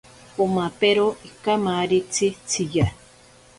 Omapero ikamaritzi tsiya.